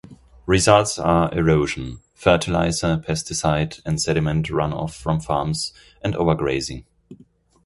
Results are erosion; fertilizer, pesticide and sediment runoff from farms; and overgrazing.